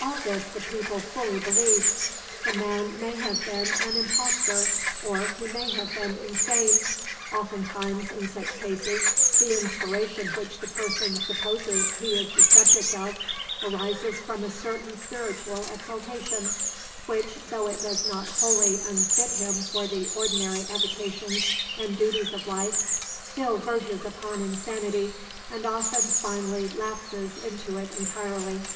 All this the people fully believed. The man may have been an impostor, or he may have been insane. Oftentimes, in such cases, the inspiration which the person supposes he is the subject of arises from a certain spiritual exaltation, which, though it does not wholly unfit him for the ordinary avocations and duties of life, still verges upon insanity, and often finally lapses into it entirely.